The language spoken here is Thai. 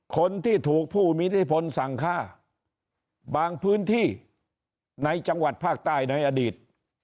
คนที่ถูกผู้มีอิทธิพลสั่งฆ่าบางพื้นที่ในจังหวัดภาคใต้ในอดีต